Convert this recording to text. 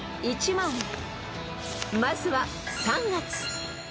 ［まずは３月］